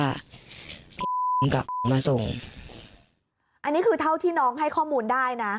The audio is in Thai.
อันนี้คือเท่าที่น้องให้ข้อมูลได้นะ